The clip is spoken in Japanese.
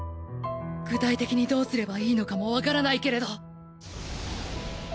具体的にどうすればいいのかもわからないけれど。